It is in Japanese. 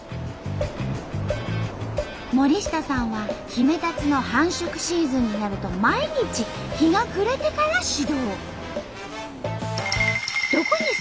森下さんはヒメタツの繁殖シーズンになると毎日日が暮れてから始動。